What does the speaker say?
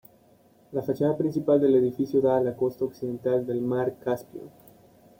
La fachada principal del edificio da a la costa occidental del Mar Caspio.